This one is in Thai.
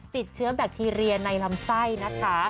ติดเชื้อแบคทีเรียในลำไส้นะคะ